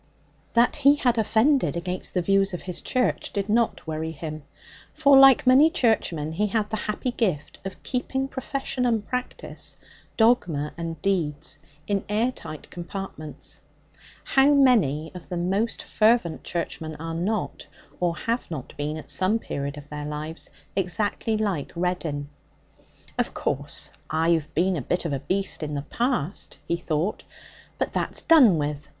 That he had offended against the views of his Church did not worry him. For, like many churchmen, he had the happy gift of keeping profession and practice, dogma and deeds, in airtight compartments. How many of the most fervent churchmen are not, or have not been at some period of their lives, exactly like Reddin? 'Of course, I've been a bit of a beast in the past,' he thought. 'But that's done with.